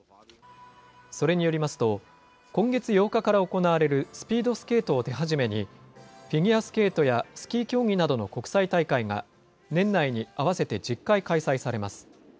それによりますと、今月８日から行われるスピードスケートを手始めにフィギュアスケートやスキー競技などの国際大会が、年内に合わせて１０回開催されます。